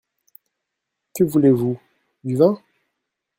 Que voulez-vous ? du vin ?